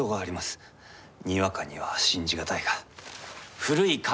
にわかには信じ難いが。